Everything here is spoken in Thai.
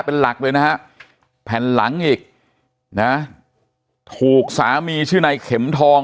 เป็นหลักเลยนะฮะแผ่นหลังอีกนะถูกสามีชื่อในเข็มทอง